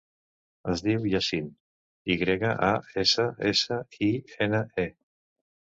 Es diu Yassine: i grega, a, essa, essa, i, ena, e.